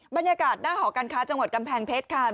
บรรยากาศหน้าหอการค้าจังหวัดกำแพงเพชรค่ะ